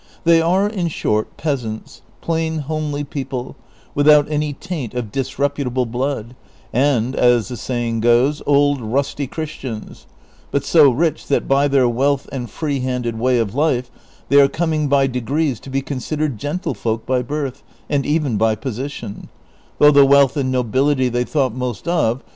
They are, in short, peasants, plain homely people, without any taint of disreputable blood, and, as the saying is, old rusty Christians, but so rich ihat by their wealth and free handed way of life they are coming b}' degrees to be considered gentlefolk by birth, and even by position; 3 though the wealth and nobility they thought most of • See Note 1, p.